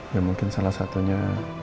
ya mungkin salah satunya